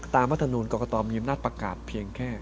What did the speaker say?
ตามวัฒนูนย์เกาะกตมีมนตประกาศเพียงแค่๙๕